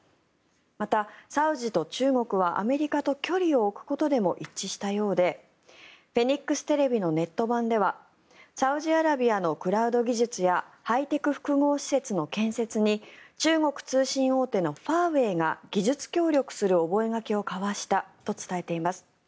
また、サウジと中国はアメリカと距離を置くことでも一致したようでフェニックステレビのネット版ではサウジアラビアのクラウド技術やハイテク複合施設の建設に中国通信大手のファーウェイが技術協力する覚書を交わしたと伝えています。